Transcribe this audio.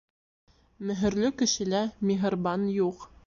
Мөһөрлө кешелә миһырбан юҡ.